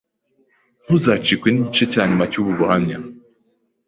Ntuzacikwe n’igice cya nyuma cy’ubu buhamya